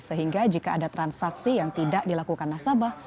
sehingga jika ada transaksi yang tidak dilakukan nasabah